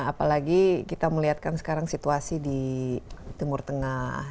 apalagi kita melihatkan sekarang situasi di timur tengah